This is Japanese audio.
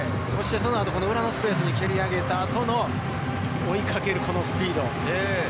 その後の裏のスペースに蹴り上げた後、追いかける、このスピード。